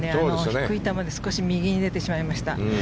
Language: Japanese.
低い球で少し右に出てしまいました。